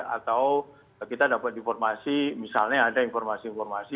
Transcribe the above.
atau kita dapat informasi misalnya ada informasi informasi